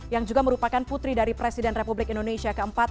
yang juga merupakan putri dari presiden republik indonesia keempat